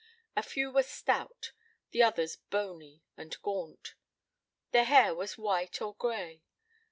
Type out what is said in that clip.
A few were stout, the others bony and gaunt. Their hair was white or gray.